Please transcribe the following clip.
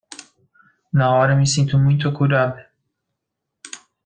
Na hora me sinto muito acurada